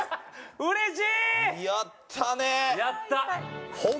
うれしい！